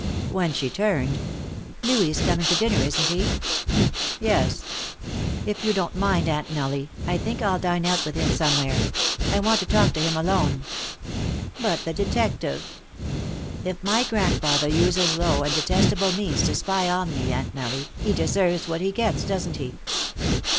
When she turned: "Louis is coming to dinner, isn't he?" "Yes." "If you don't mind, Aunt Nellie, I think I'll dine out with him somewhere. I want to talk to him alone." "But the detective " "If my grandfather uses low and detestable means to spy on me, Aunt Nellie, he deserves what he gets, doesn't he?"